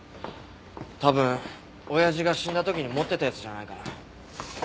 多分親父が死んだ時に持ってたやつじゃないかな。